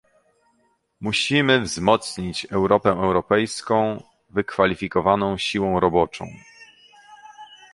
Musimy wzmocnić Europę europejską wykwalifikowaną siłą roboczą